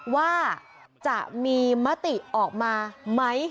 ว่าจะมีมติออกมาไหม